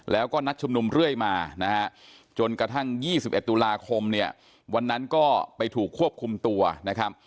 แล้วก็นัดชุมนุมเรื่อยมานะฮะจนกระทั่ง๒๑ตุลาคมเนี่ยวันนั้นก็ไปถูกควบคุมตัวนะครับ